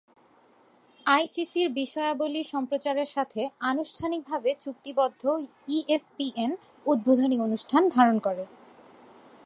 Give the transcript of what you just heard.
আইসিসির বিষয়াবলী সম্প্রচারের সাথে আনুষ্ঠানিকভাবে চুক্তিবদ্ধ ইএসপিএন উদ্বোধনী অনুষ্ঠান ধারণ করে।